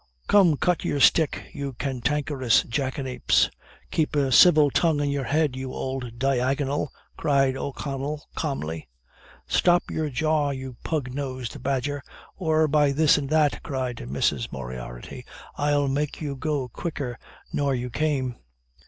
"Come cut your stick, you cantankerous jackanapes." "Keep a civil tongue in your head, you old diagonal," cried O'Connell, calmly. "Stop your jaw, you pug nosed badger, or by this and that," cried Mrs. Moriarty, "I'll make you go quicker nor you came."